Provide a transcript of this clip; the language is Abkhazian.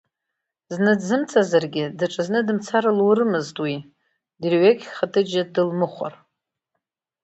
Зны дзымцазаргьы, даҽазны дымцар лурымызт уи, дырҩегь Хаҭыџьа дылмыхәар.